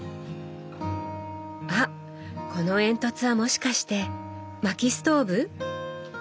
あっこの煙突はもしかして薪ストーブ？